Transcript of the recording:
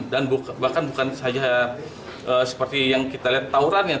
dan bahkan bukan saja seperti yang kita lihat tawurannya